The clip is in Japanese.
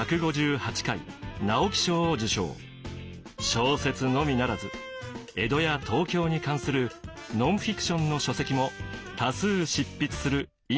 小説のみならず江戸や東京に関するノンフィクションの書籍も多数執筆する今